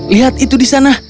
lihat itu di sana